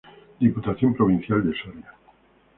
Diputación Provincial de Soria.